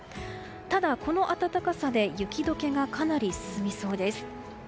ただ、この暖かさで雪解けがかなり進みそうです。